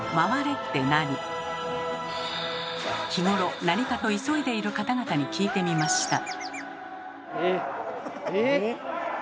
日頃何かと急いでいる方々に聞いてみました。